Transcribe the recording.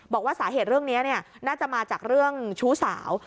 บอกว่าสาเหตุเรื่องนี้น่าจะมาจากเรื่องชู้สาว